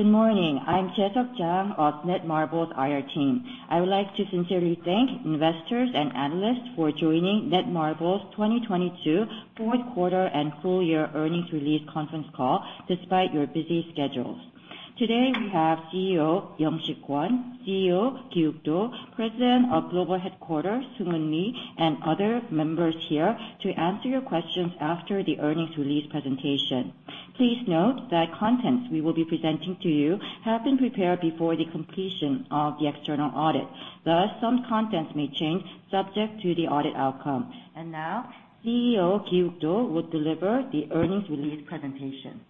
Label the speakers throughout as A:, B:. A: Good morning. I'm Jesse Zhang of Netmarble's IR team. I would like to sincerely thank investors and analysts for joining Netmarble's 2022 Q4 and full year earnings release conference call despite your busy schedules. Today we have CEO Young-sik Kwon, CEO Gi-Wook Do, President of Global Headquarters, Seungwon Lee, other members here to answer your questions after the earnings release presentation. Please note that contents we will be presenting to you have been prepared before the completion of the external audit. Thus, some contents may change subject to the audit outcome. Now, CEO Gi-Wook Do will deliver the earnings release presentation.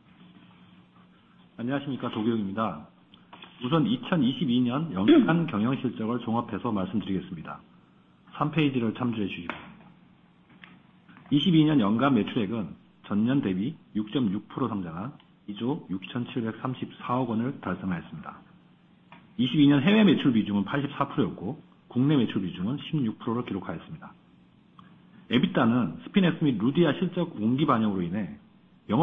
A: Good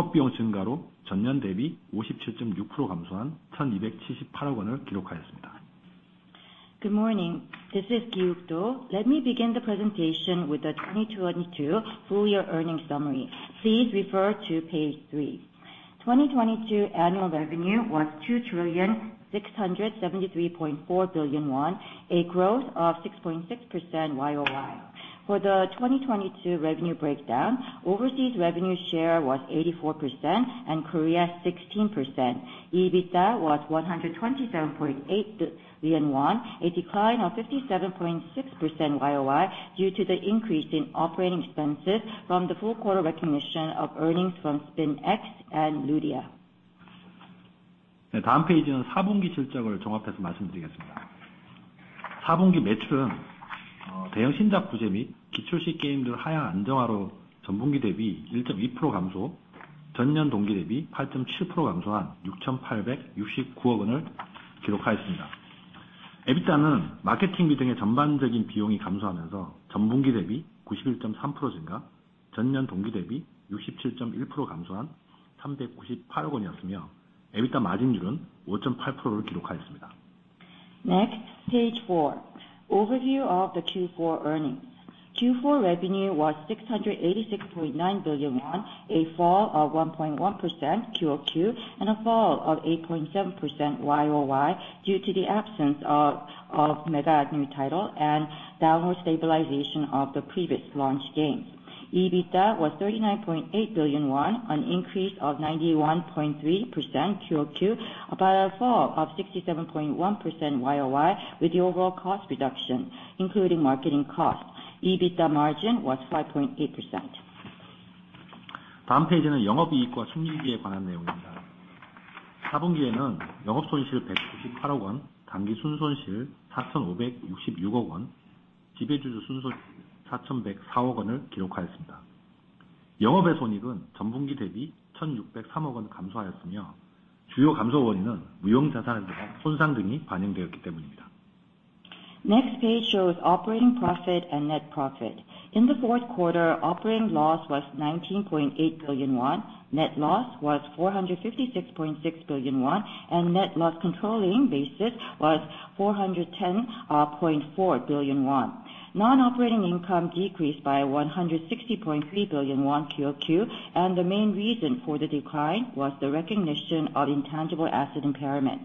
A: morning. This is Gi-Wook Do. Let me begin the presentation with the 2022 full year earnings summary. Please refer to page three. 2022 annual revenue was 2,673.4 billion won, a growth of 6.6% YoY. For the 2022 revenue breakdown, overseas revenue share was 84% and Korea 16%. EBITDA was KRW 127.8 billion, a decline of 57.6% YoY due to the increase in operating expenses from the full quarter recognition of earnings from SpinX and Ludia. Next page shows operating profit and net profit. In the fourth quarter, operating loss was 19.8 billion won. Net loss was 456.6 billion won, and net loss controlling basis was 410.4 billion won. Non-operating income decreased by 160.3 billion won QoQ. The main reason for the decline was the recognition of intangible asset impairment.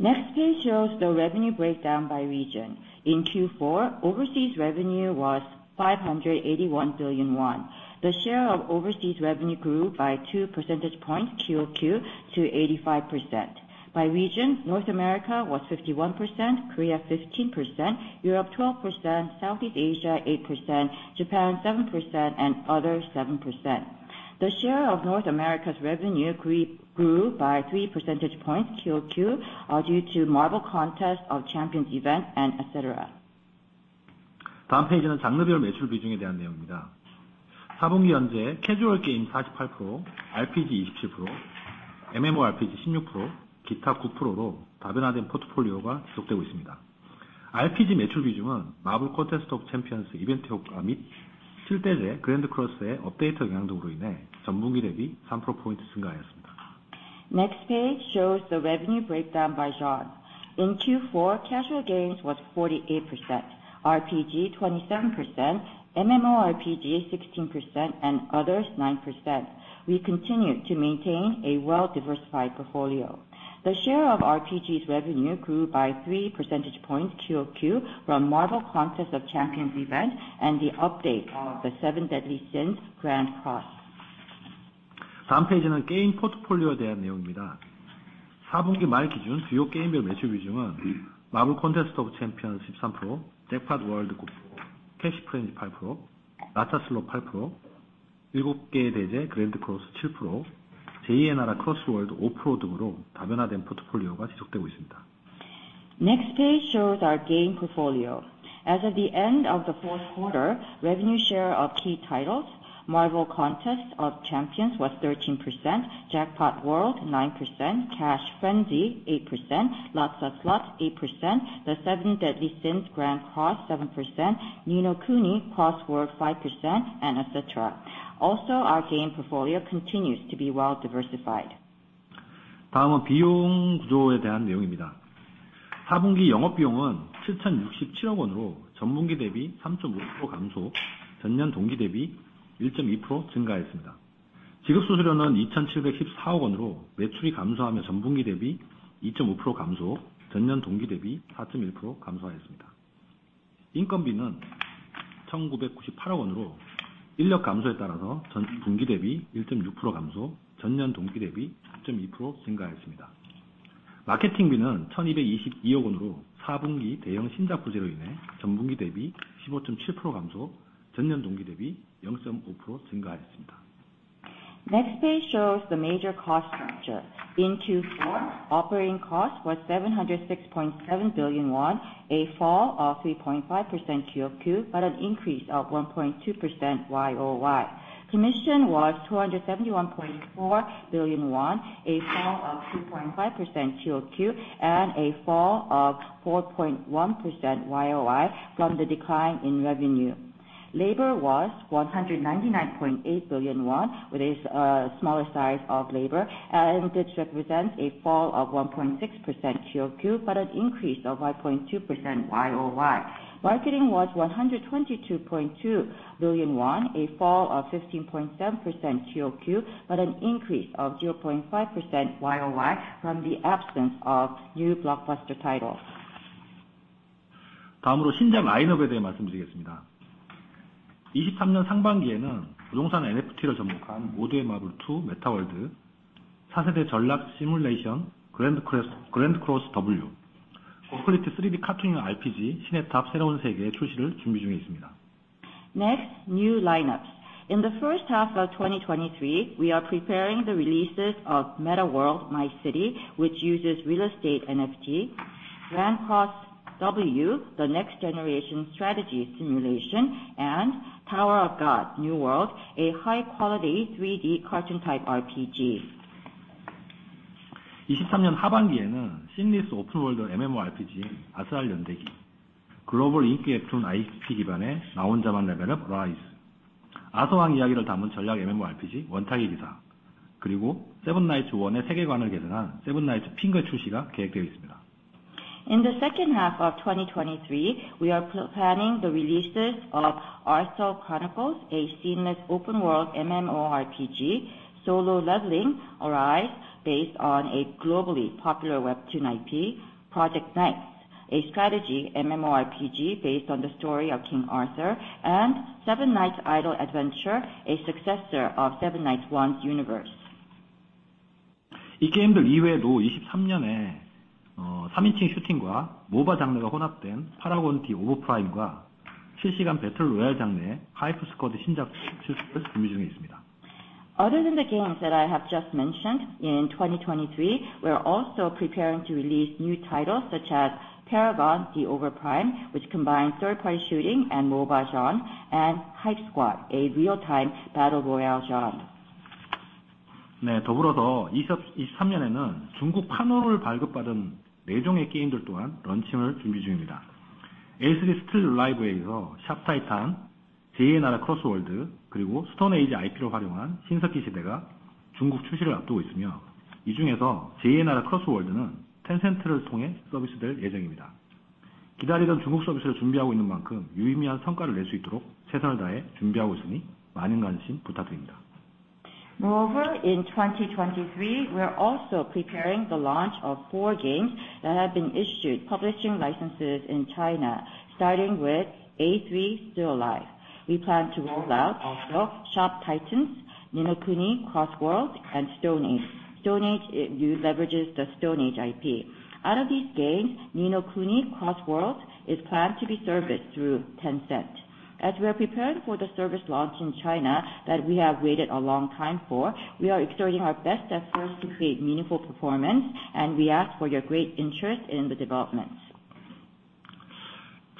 A: Next page shows the revenue breakdown by region. In Q4, overseas revenue was 581 billion won. The share of overseas revenue grew by 2 percentage points QoQ to 85%. By region, North America was 51%, Korea 15%, Europe 12%, Southeast Asia 8%, Japan 7%, and other 7%. The share of North America's revenue grew by 3 percentage points QoQ due to Marvel Contest of Champions event and et cetera. Next page shows the revenue breakdown by genre. In Q4, casual games was 48%, RPG 27%, MMORPG 16%, and others 9%. We continue to maintain a well-diversified portfolio. The share of RPG's revenue grew by 3 percentage points QoQ from Marvel Contest of Champions event and the update of the Seven Deadly Sins Grand Cross.
B: 4분기 말 기준 주요 게임별 매출 비중은 Marvel Contest of Champions 3%, Jackpot World 9%, 캐시 프렌즈 8%, 라타 슬롯 8%, The Seven Deadly Sins: Grand Cross 7%, Ni no Kuni: Cross Worlds 5% 등으로 다변화된 포트폴리오가 지속되고 있습니다.
A: Next page shows our game portfolio. As of the end of the fourth quarter, revenue share of key titles Marvel Contest of Champions was 13%, Jackpot World 9%, Cash Frenzy 8%, Lotsa Slots 8%, The Seven Deadly Sins: Grand Cross 7%, Ni no Kuni: Cross Worlds 5%, and et cetera. Also, our game portfolio continues to be well diversified.
B: 다음은 비용 구조에 대한 내용입니다. Q4 영업비용은 KRW 7,067억 원으로 전분기 대비 3.5% 감소, 전년 동기 대비 1.2% 증가했습니다. 지급 수수료는 KRW 2,714억 원으로 매출이 감소하며 전분기 대비 2.5% 감소, 전년 동기 대비 4.1% 감소하였습니다. 인건비는 KRW 1,998억 원으로 인력 감소에 따라서 전분기 대비 1.6% 감소, 전년 동기 대비 2.2% 증가하였습니다. 마케팅비는 KRW 1,222억 원으로 Q4 대형 신작 부재로 인해 전분기 대비 15.7% 감소, 전년 동기 대비 0.5% 증가하였습니다.
A: Next page shows the major cost structure. In Q4, operating cost was 706.7 billion won, a fall of 3.5% QoQ, but an increase of 1.2% YoY. Commission was 271.4 billion won, a fall of 2.5% QoQ and a fall of 4.1% YoY from the decline in revenue. Labor was 199.8 billion won, with a smaller size of labor, and this represents a fall of 1.6% QoQ, but an increase of 1.2% YoY. Marketing was 122.2 billion won, a fall of 15.7% QoQ, but an increase of 0.5% YoY from the absence of new blockbuster titles.
B: 다음으로 신작 라인업에 대해 말씀드리겠습니다. 2023년 상반기에는 부동산 NFT를 접목한 모두의마블 투 메타월드, 차세대 전략 시뮬레이션 그랜드크로스 더블유, 고퀄리티 3D 카툰형 RPG 신의 탑: 새로운 세계 출시를 준비 중에 있습니다.
A: Next, new lineups. In the first half of 2023, we are preparing the releases of Meta World: My City, which uses real estate NFT, GRAND CROSS W, the next generation strategy simulation, and Tower of God: NEW WORLD, a high quality three-D cartoon type RPG.
B: 2023년 하반기에는 seamless open-world MMORPG Arthdal Chronicles, 글로벌 인기 웹툰 IP 기반의 Solo Leveling: ARISE, 아서왕 이야기를 담은 전략 MMORPG 원탁의 기사, 그리고 Seven Knights의 세계관을 계승한 세븐나이츠 핑거 출시가 계획되어 있습니다.
A: In the second half of 2023, we are planning the releases of Arthdal Chronicles, a seamless open world MMORPG, Solo Leveling: ARISE, based on a globally popular webtoon IP, Project Knights, a strategy MMORPG based on the story of King Arthur, and Seven Knights Idle Adventure, a successor of Seven Knights 1's universe.
B: 이 게임들 이외에도 2023년에, 3인칭 슈팅과 MOBA 장르가 혼합된 PARAGON: THE OVERPRIME과 실시간 배틀로얄 장르의 HypeSquad 신작 출시를 준비 중에 있습니다.
A: Other than the games that I have just mentioned, in 2023, we are also preparing to release new titles such as Paragon: The Overprime, which combines third-party shooting and MOBA genre, and HypeSquad, a real-time battle royale genre.
B: 네, 더불어서 2023년에는 중국 판호를 발급받은 4종의 게임들 또한 런칭을 준비 중입니다. A3: Still Alive에 이어 샤프 타이탄, 제2의 나라: Cross Worlds, 그리고 스톤에이지 IP를 활용한 신석기 시대가 중국 출시를 앞두고 있으며, 이 중에서 제2의 나라: 크로스 월드는 Tencent를 통해 서비스될 예정입니다. 기다리던 중국 서비스를 준비하고 있는 만큼 유의미한 성과를 낼수 있도록 최선을 다해 준비하고 있으니 많은 관심 부탁드립니다.
A: In 2023, we are also preparing the launch of four games that have been issued publishing licenses in China, starting with A3: Still Alive. We plan to roll out also Shop Titans, Ni no Kuni: Cross Worlds, and Stone Age. Stone Age leverages the Stone Age IP. Out of these games, Ni no Kuni: Cross Worlds is planned to be serviced through Tencent. As we are preparing for the service launch in China that we have waited a long time for, we are exerting our best efforts to create meaningful performance, and we ask for your great interest in the developments.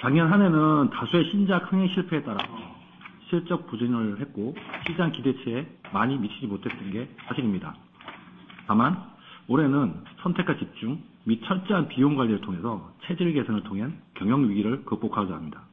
B: 작년 한 해는 다수의 신작 흥행 실패에 따라 실적 부진을 했고, 시장 기대치에 많이 미치지 못했던 게 사실입니다. 다만 올해는 선택과 집중 및 철저한 비용 관리를 통해서 체질 개선을 통한 경영 위기를 극복하고자 합니다.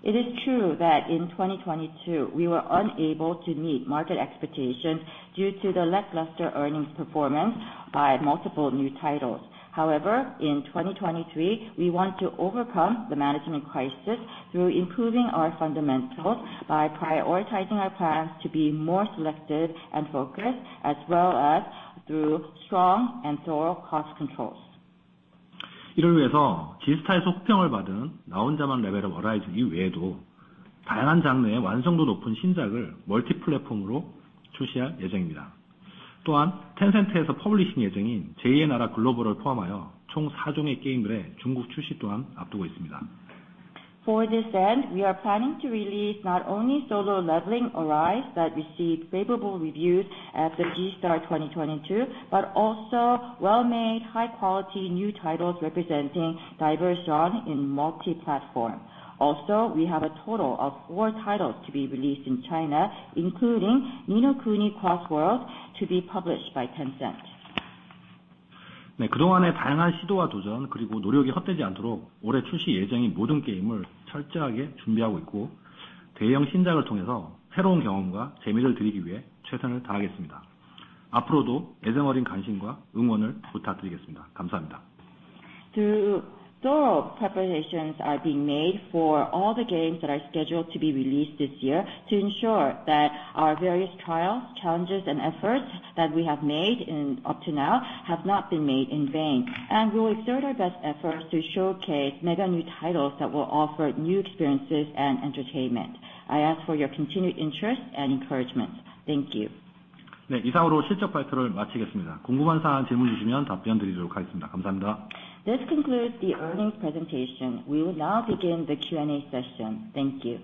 A: It is true that in 2022, we were unable to meet market expectations due to the lackluster earnings performance by multiple new titles. In 2023, we want to overcome the management crisis through improving our fundamentals by prioritizing our plans to be more selective and focused, as well as through strong and thorough cost controls. For this end, we are planning to release not only Solo Leveling: ARISE that received favorable reviews at the G-STAR 2022, but also well-made high quality new titles representing diverse genre in multi-platform. We have a total of four titles to be released in China, including Ni no Kuni: Cross Worlds, to be published by Tencent. Thorough preparations are being made for all the games that are scheduled to be released this year to ensure that our various trials, challenges, and efforts that we have made in up to now have not been made in vain. We'll exert our best efforts to showcase mega new titles that will offer new experiences and entertainment. I ask for your continued interest and encouragement. Thank you. This concludes the earnings presentation. We will now begin the Q&A session. Thank you.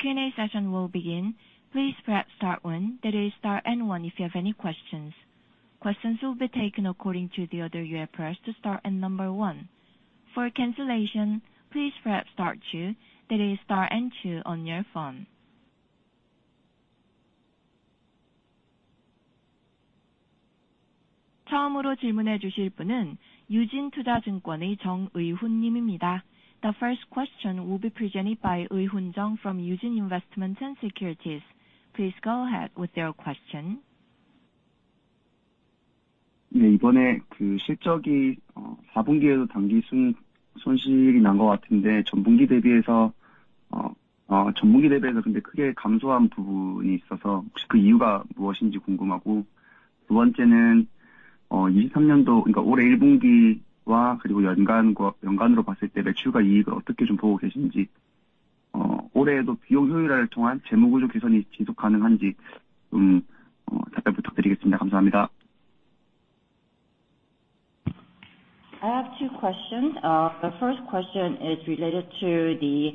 C: Q&A session will begin. Please press star one, that is star and one, if you have any questions. Questions will be taken according to the order UFOs to star and number one. For cancellation, please press star two, that is star and two, on your phone. The first question will be presented by Ui-Hoon Jung from Eugene Investment & Securities. Please go ahead with your question.
A: I have two questions. The first question is related to the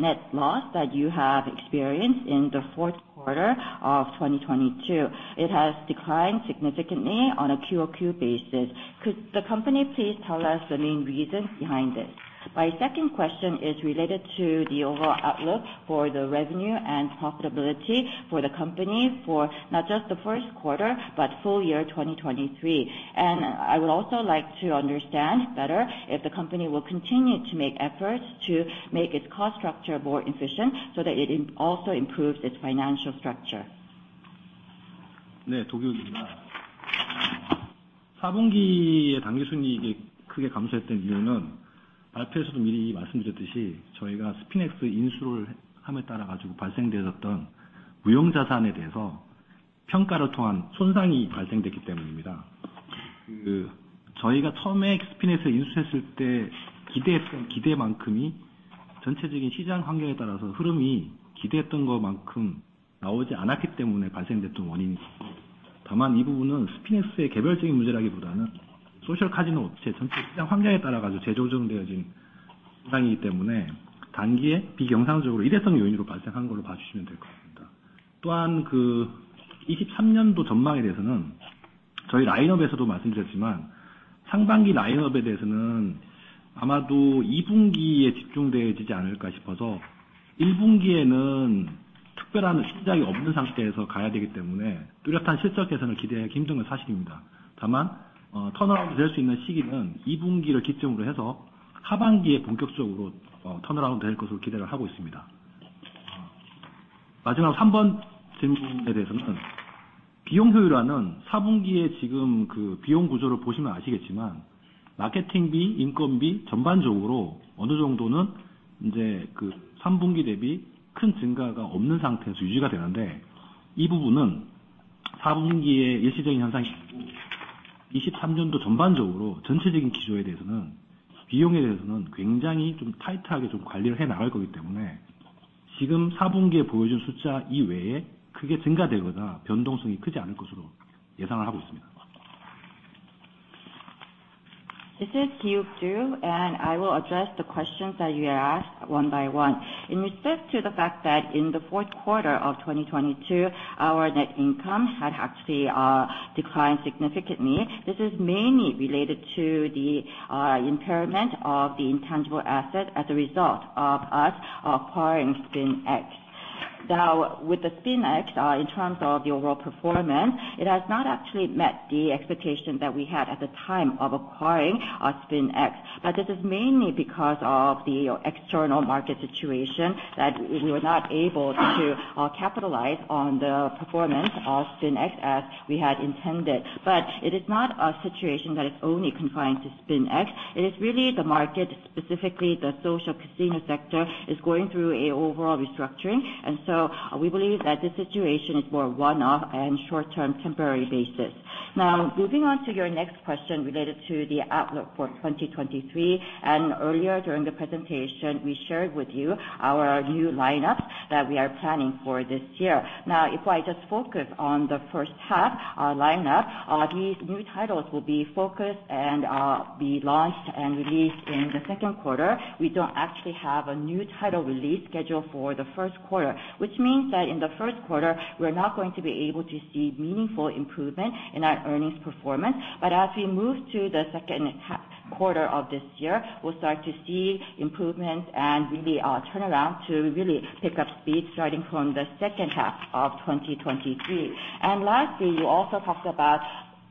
A: net loss that you have experienced in the fourth quarter of 2022. It has declined significantly on a QoQ basis. Could the company please tell us the main reasons behind it? My second question is related to the overall outlook for the revenue and profitability for the company for not just the first quarter, but full year 2023. I would also like to understand better if the company will continue to make efforts to make its cost structure more efficient so that it also improves its financial structure. Now with the SpinX, in terms of the overall performance, it has not actually met the expectation that we had at the time of acquiring SpinX. This is mainly because of the external market situation that we were not able to capitalize on the performance of SpinX as we had intended. It is not a situation that is only confined to SpinX. It is really the market, specifically the social casino sector is going through a overall restructuring. We believe that the situation is more one-off and short-term temporary basis. Moving on to your next question related to the outlook for 2023, and earlier during the presentation, we shared with you our new lineup that we are planning for this year. If I just focus on the first half, our lineup, these new titles will be focused and be launched and released in the second quarter. We don't actually have a new title release schedule for the first quarter, which means that in the first quarter we're not going to be able to see meaningful improvement in our earnings performance. As we move to the second quarter of this year, we'll start to see improvement and really turnaround to really pick up speed starting from the second half of 2023. Lastly, you also talked about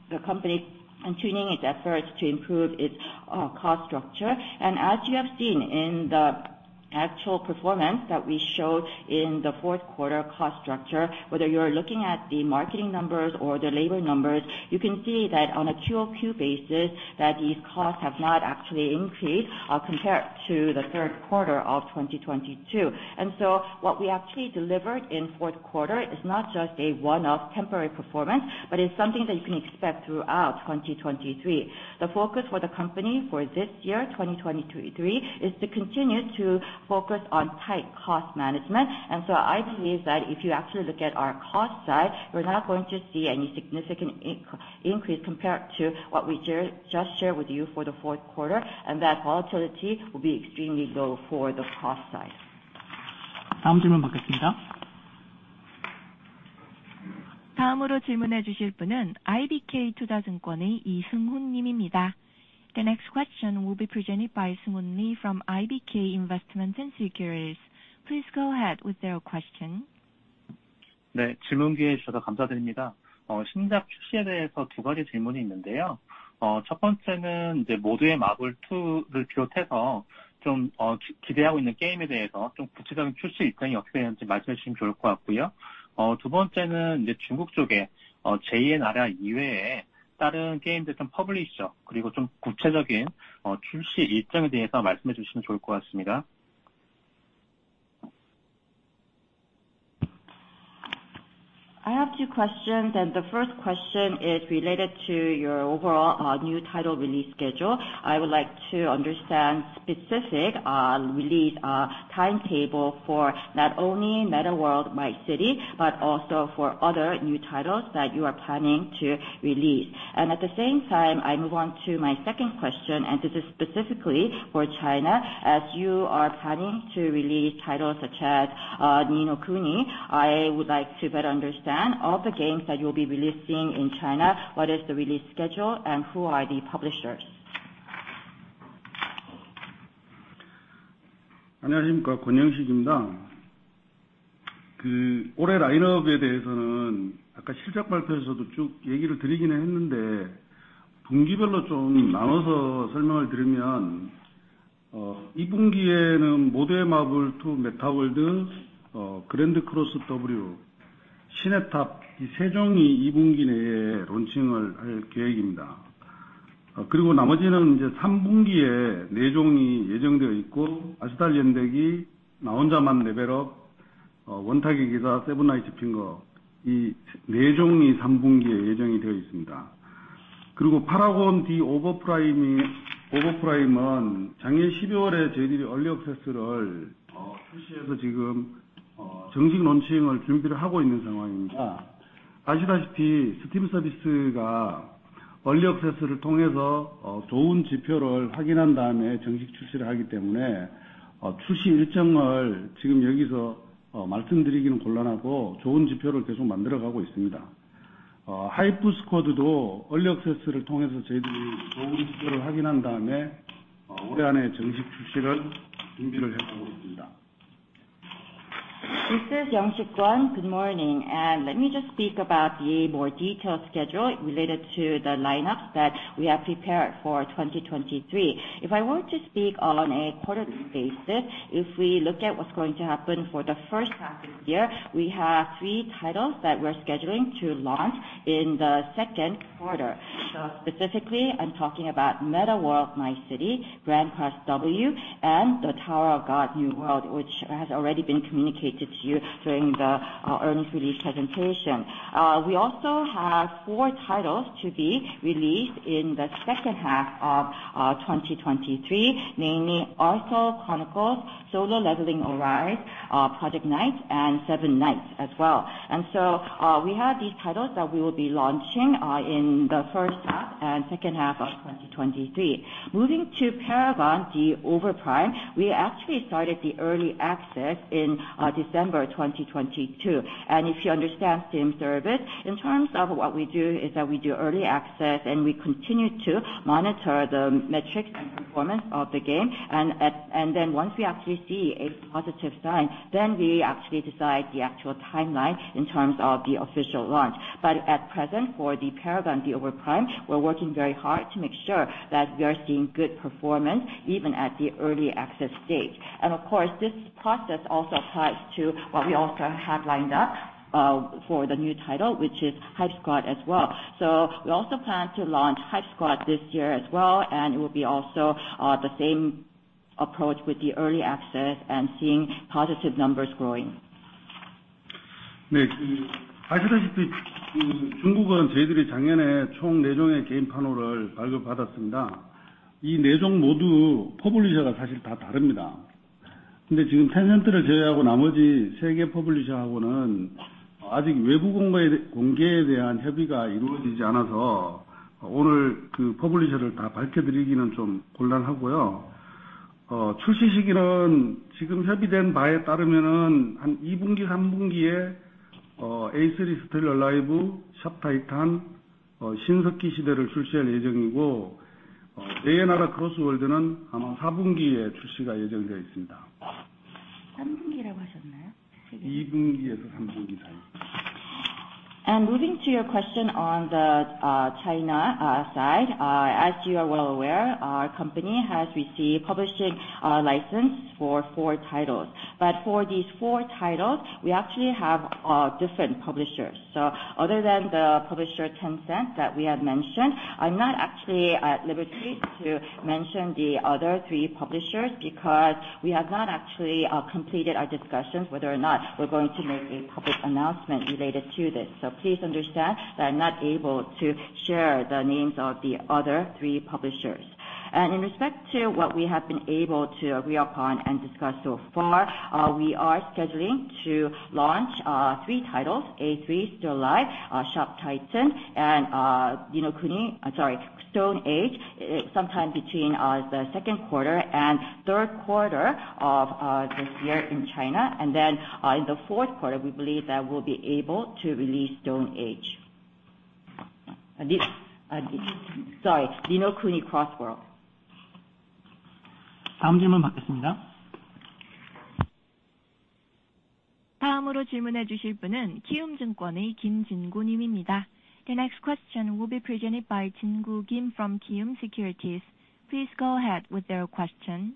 A: the company and tuning its efforts to improve its cost structure. As you have seen in the actual performance that we showed in the fourth quarter cost structure, whether you're looking at the marketing numbers or the labor numbers, you can see that on a QoQ basis that these costs have not actually increased compared to the third quarter of 2022. What we actually delivered in fourth quarter is not just a one-off temporary performance, but it's something that you can expect throughout 2023. The focus for the company for this year, 2023, is to continue to focus on tight cost management. I believe that if you actually look at our cost side, we're not going to see any significant increase compared to what we just shared with you for the fourth quarter, and that volatility will be extremely low for the cost side.
C: The next question will be presented by Seung-hoon Lee from IBK Investment and Securities. Please go ahead with your question.
A: I have two questions. The first question is related to your overall new title release schedule. I would like to understand specific release timetable for not only Meta World: My City, but also for other new titles that you are planning to release. At the same time, I move on to my second question, and this is specifically for China. As you are planning to release titles such as Ni no Kuni, I would like to better understand all the games that you'll be releasing in China. What is the release schedule and who are the publishers? This is Young-sik Kwon. Good morning. Let me just speak about the more detailed schedule related to the lineups that we have prepared for 2023. If I were to speak on a quarterly basis, if we look at what's going to happen for the first half of the year, we have three titles that we're scheduling to launch in the second quarter. Specifically, I'm talking about Meta World: My City, GRAND CROSS W, and the Tower of God: NEW WORLD, which has already been communicated to you during the earnings release presentation. We also have four titles to be released in the second half of 2023, namely, Arthdal Chronicles, Solo Leveling: ARISE, Project Knights, and Seven Knights as well. We have these titles that we will be launching in the first half and second half of 2023. Moving to Paragon: The Overprime, we actually started the early access in December 2022. If you understand same service, in terms of what we do is that we do early access and we continue to monitor the metrics and performance of the game. Then once we actually see a positive sign, then we actually decide the actual timeline in terms of the official launch. At present, for the Paragon: The Overprime, we're working very hard to make sure that we are seeing good performance even at the early access stage. Of course, this process also applies to what we also have lined up for the new title, which is HypeSquad as well. We also plan to launch HypeSquad this year as well, and it will be also the same approach with the early access and seeing positive numbers growing. Moving to your question on the China side. As you are well aware, our company has received publishing license for four titles. For these four titles, we actually have different publishers. Other than the publisher Tencent that we had mentioned, I'm not actually at liberty to mention the other three publishers because we have not actually completed our discussions whether or not we're going to make a public announcement related to this. Please understand that I'm not able to share the names of the other three publishers. In respect to what we have been able to agree upon and discuss so far, we are scheduling to launch three titles, A3: Still Alive, Shop Titans and, you know, Stone Age, sometime between the second quarter and third quarter of this year in China. In the fourth quarter, we believe that we'll be able to release Stone Age. Sorry. Ni no Kuni: Cross Worlds.
C: The next question will be presented by Jingu Kim from Kiwoom Securities. Please go ahead with your question.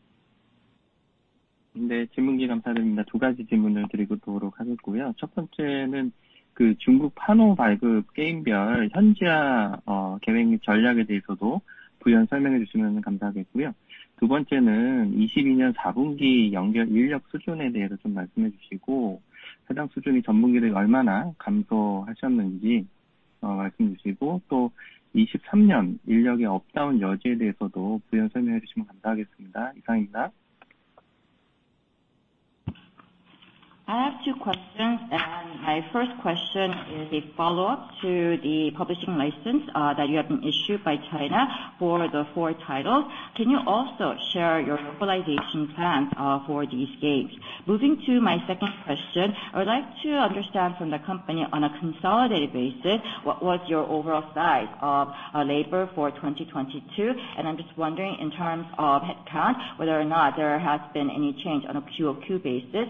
A: I have two questions. My first question is a follow-up to the publishing license that you have been issued by China for the four titles. Can you also share your localization plans for these games? Moving to my second question, I would like to understand from the company on a consolidated basis what was your overall size of labor for 2022? I'm just wondering in terms of headcount, whether or not there has been any change on a QoQ basis.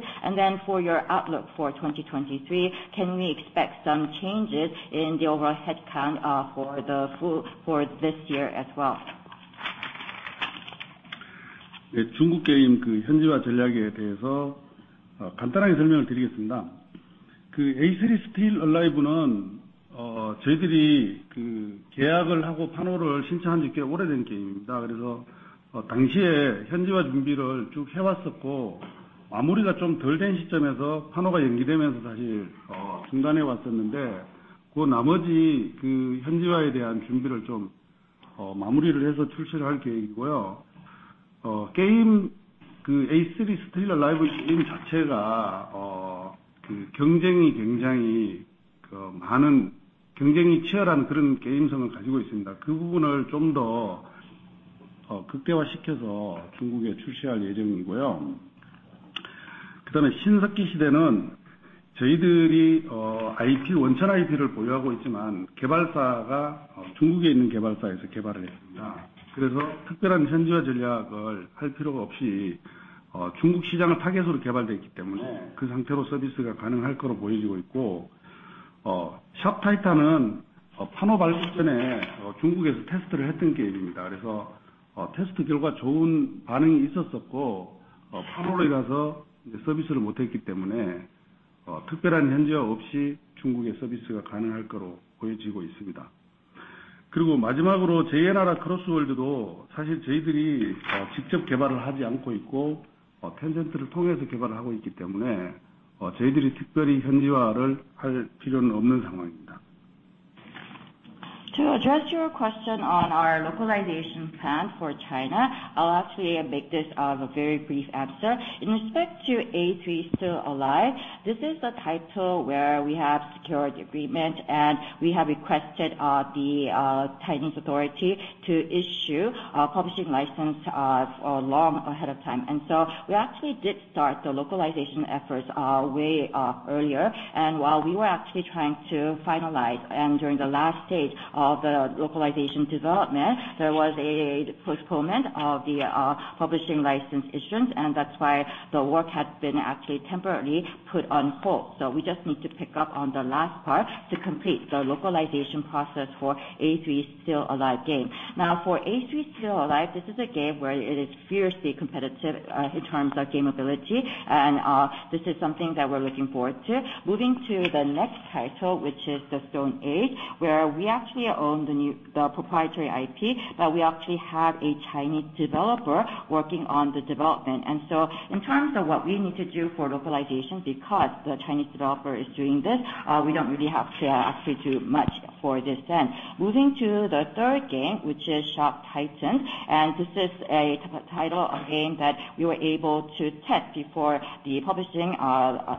A: For your outlook for 2023, can we expect some changes in the overall headcount for this year as well? Localization plan for China. I'll actually make this a very brief answer. In respect to A3: Still Alive, this is the title where we have secured the agreement, we have requested the Chinese authority to issue a publishing license long ahead of time. We actually did start the localization efforts way earlier. While we were actually trying to finalize and during the last stage of the localization development, there was a postponement of the publishing license issuance, and that's why the work had been actually temporarily put on hold. We just need to pick up on the last part to complete the localization process for A3: Still Alive game. For A3: Still Alive, this is a game where it is fiercely competitive in terms of game ability, and this is something that we're looking forward to. Moving to the next title, which is the Stone Age, where we actually own the proprietary IP, but we actually have a Chinese developer working on the development. In terms of what we need to do for localization, because the Chinese developer is doing this, we don't really have to actually do much for this end. Moving to the third game, which is Shop Titans, and this is a title, a game that we were able to test before the publishing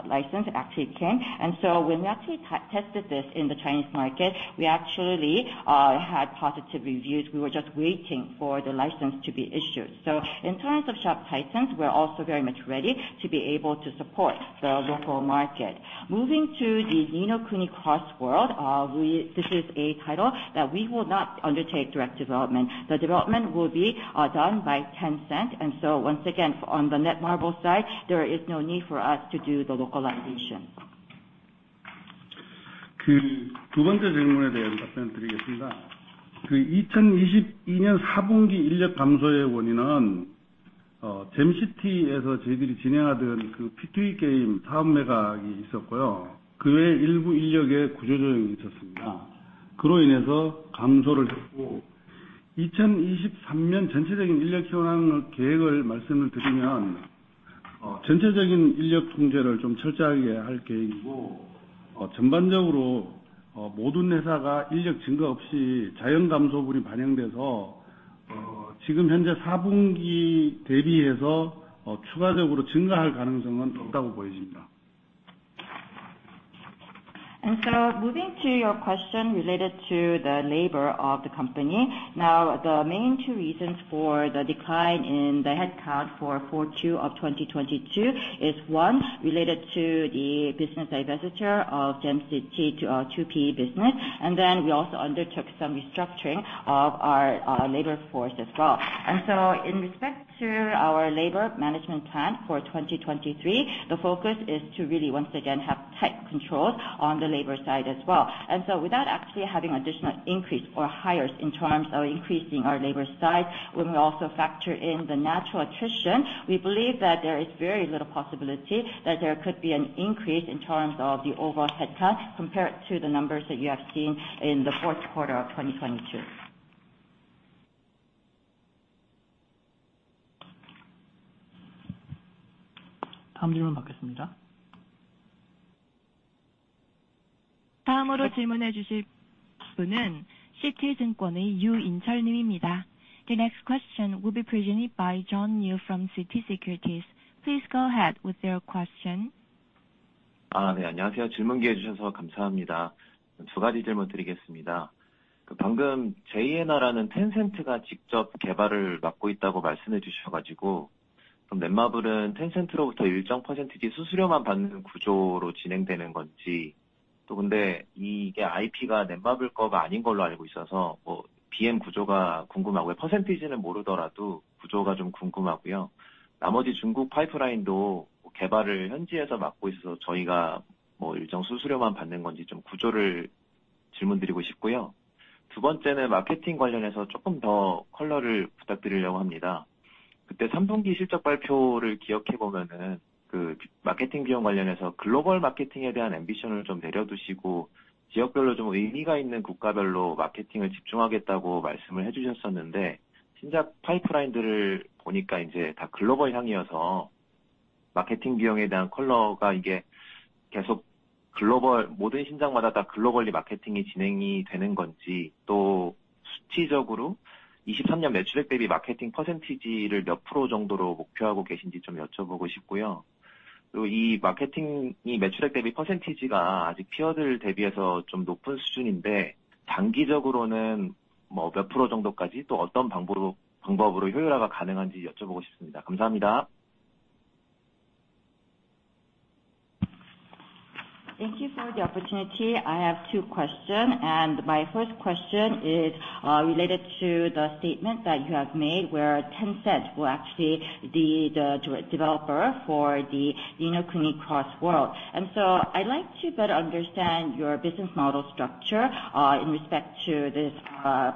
A: license actually came. When we actually tested this in the Chinese market, we actually had positive reviews. We were just waiting for the license to be issued. In terms of Shop Titans, we're also very much ready to be able to support the local market. Moving to the Ni no Kuni: Cross Worlds, this is a title that we will not undertake direct development. The development will be done by Tencent. Once again, on the Netmarble side, there is no need for us to do the localization. Moving to your question related to the labor of the company. Now, the main two reasons for the decline in the headcount for 42 of 2022 is, one, related to the business divestiture of Jam City to our 2P business. We also undertook some restructuring of our labor force as well. In respect to our labor management plan for 2023, the focus is to really once again have tight control on the labor side as well. Without actually having additional increase or hires in terms of increasing our labor side, when we also factor in the natural attrition, we believe that there is very little possibility that there could be an increase in terms of the overall headcount compared to the numbers that you have seen in the fourth quarter of 2022. The next question will be presented by John Yu from Citi Securities. Please go ahead with your question. Thank you for the opportunity. I have two questions, and my first question is related to the statement that you have made, where Tencent will actually be the joint developer for the Ni no Kuni: Cross Worlds. I'd like to better understand your business model structure, in respect to this,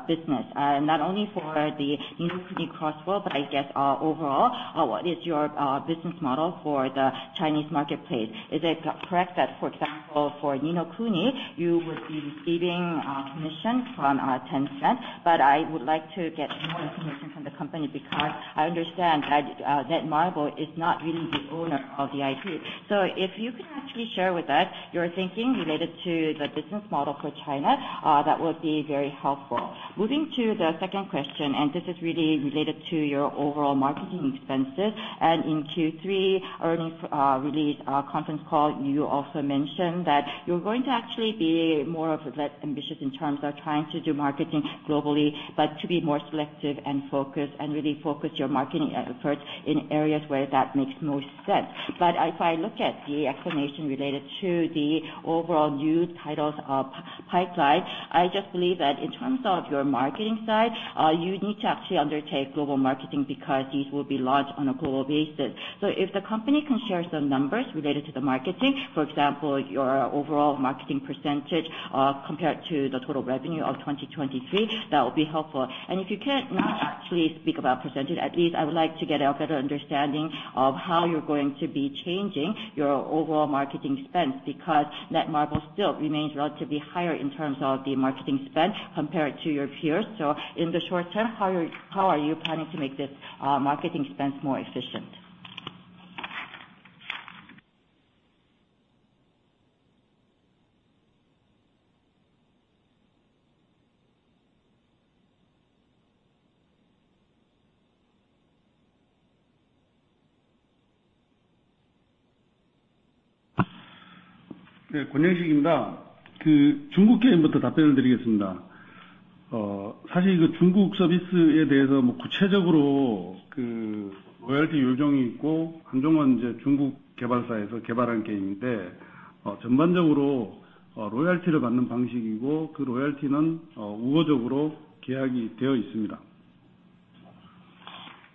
A: business, not only for the Ni no Kuni: Cross Worlds, but I guess, overall, what is your business model for the Chinese marketplace? Is it correct that, for example, for Ni no Kuni, you would be receiving commission from Tencent, but I would like the company, because I understand that Netmarble is not really the owner of the IP. If you can actually share with us your thinking related to the business model for China, that would be very helpful. Moving to the second question, this is really related to your overall marketing expenses. In Q3 earnings release conference call, you also mentioned that you're going to actually be more of less ambitious in terms of trying to do marketing globally, but to be more selective and focused, and really focus your marketing efforts in areas where that makes most sense. If I look at the explanation related to the overall new titles pipeline, I just believe that in terms of your marketing side, you need to actually undertake global marketing because these will be launched on a global basis. If the company can share some numbers related to the marketing, for example, your overall marketing percentage, compared to the total revenue of 2023, that would be helpful. If you can't actually speak about percentage, at least I would like to get a better understanding of how you're going to be changing your overall marketing spend, because Netmarble still remains relatively higher in terms of the marketing spend compared to your peers. In the short term, how are you planning to make this marketing spend more efficient?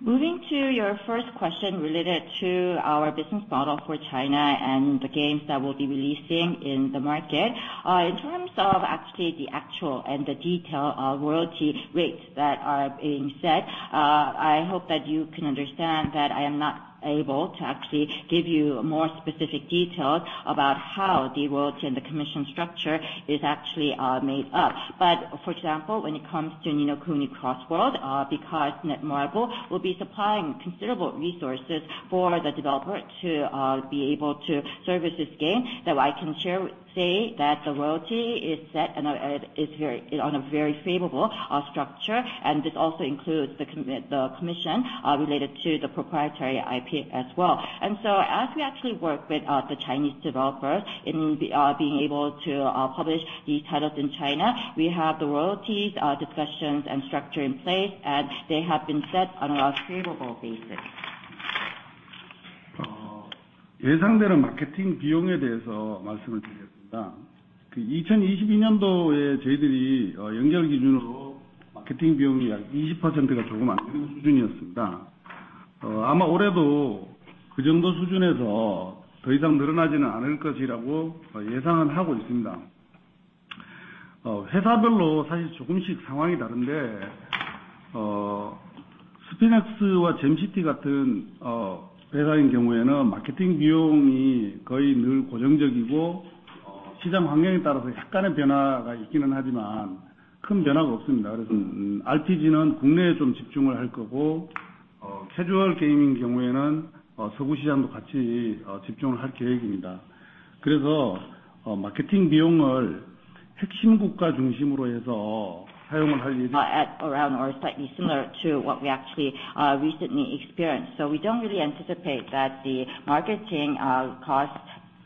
A: Moving to your first question related to our business model for China and the games that we'll be releasing in the market. In terms of actually the actual and the detail of royalty rates that are being set, I hope that you can understand that I am not able to actually give you more specific details about how the royalty and the commission structure is actually made up. For example, when it comes to Ni no Kuni: Crossworld, because Netmarble will be supplying considerable resources for the developer to be able to service this game, that I can say that the royalty is set and is very, on a very favorable structure. This also includes the commission related to the proprietary IP as well. As we actually work with the Chinese developers in being able to publish these titles in China, we have the royalties discussions and structure in place, and they have been set on a favorable basis. At around or slightly similar to what we actually recently experienced. We don't really anticipate that the marketing cost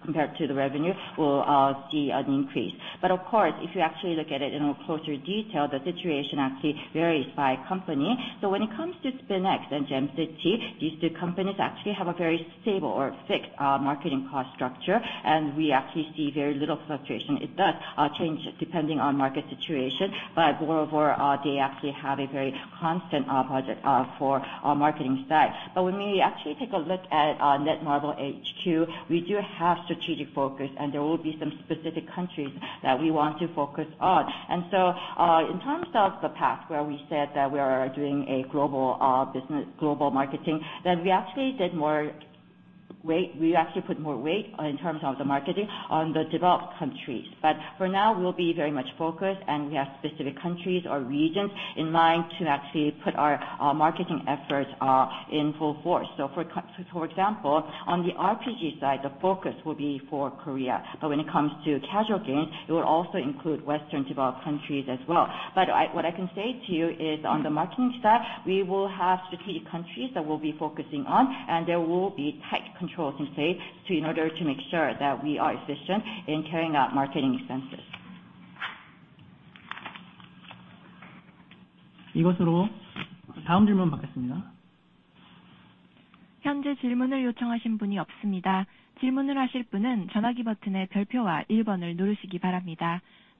A: compared to the revenue will see an increase. Of course, if you actually look at it in a closer detail, the situation actually varies by company. When it comes to SpinX and Jam City, these two companies actually have a very stable or fixed marketing cost structure, and we actually see very little fluctuation. It does change depending on market situation, moreover, they actually have a very constant budget for our marketing side. When we actually take a look at Netmarble HQ, we do have strategic focus and there will be some specific countries that we want to focus on. In terms of the past, where we said that we are doing a global business, global marketing, that we actually did more weight, we actually put more weight in terms of the marketing on the developed countries. For now, we'll be very much focused, and we have specific countries or regions in mind to actually put our marketing efforts in full force. For example, on the RPG side, the focus will be for Korea. When it comes to casual games, it will also include Western developed countries as well. What I can say to you is on the marketing side, we will have strategic countries that we'll be focusing on, and there will be tight controls in place to, in order to make sure that we are efficient in carrying out marketing expenses.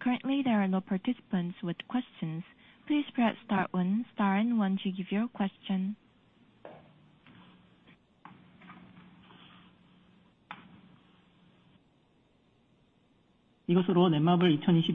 C: Currently, there are no participants with questions. Please press star one, star and one to give your question.
A: On this note, we will conclude Netmarble's 2022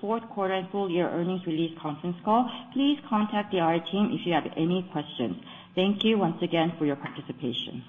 A: fourth quarter and full year earnings release conference call. Please contact the IR team if you have any questions. Thank you once again for your participation.